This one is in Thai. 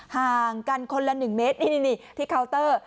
ห่างกันคนละ๑เมตรนี่ที่เคาน์เตอร์